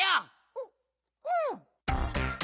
ううん。